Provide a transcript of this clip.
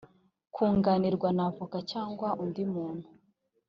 kunganirwa na avoka cyangwa undi muntu